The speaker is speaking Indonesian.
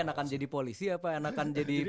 anak anak jadi polisi apa anak anak jadi